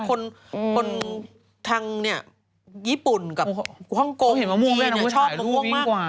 คนทางนี้ญี่ปุ่นกับฮ่องโกงจีนชอบมะม่วงมาก